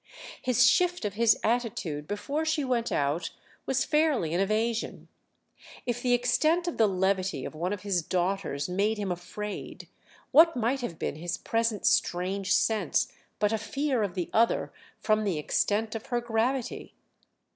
His shift of his attitude before she went out was fairly an evasion; if the extent of the levity of one of his daughter's made him afraid, what might have been his present strange sense but a fear of the other from the extent of her gravity?